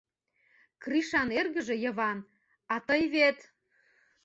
— Кришан эргыже Йыван, а тый вет...